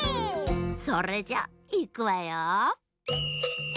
それじゃいくわよ。